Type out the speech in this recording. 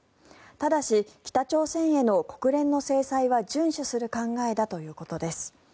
ただし、北朝鮮への国連の制裁は順守する考えだということです。